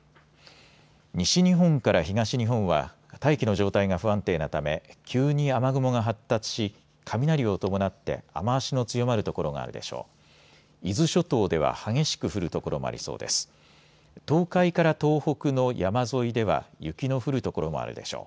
西日本から東日本は大気の状態が不安定なため急に雨雲が発達し雷を伴って雨足の強まる所があるでしょう。